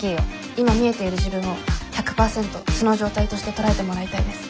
今見えている自分を１００％素の状態として捉えてもらいたいです。